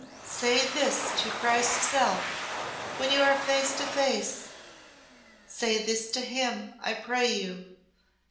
Say this to Christ's self when you are face to face say this to Him, I pray you!